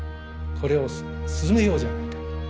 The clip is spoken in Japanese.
これを進めようじゃないかと。